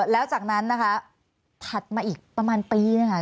แล้วจากนั้นนะคะถัดมาอีกประมาณปีหนึ่งค่ะ